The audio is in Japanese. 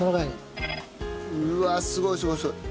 うわあすごいすごいすごい。